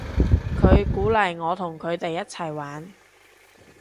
佢鼓勵我同佢哋一齊玩